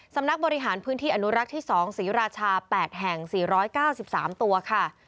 สำนักบริหารพื้นที่อนุรักษ์ที่๒ศรีราชา๘แห่ง๔๙๓ตัวค่ะ